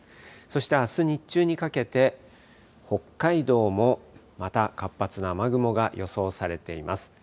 そして、あす日中にかけて、北海道もまた活発な雨雲が予想されています。